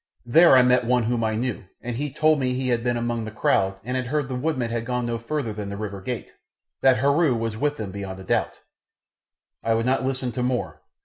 There I met one whom I knew, and he told me he had been among the crowd and had heard the woodmen had gone no farther than the river gate, that Heru was with them beyond a doubt. I would not listen to more.